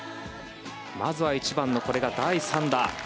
まずは１番のこれは第３打。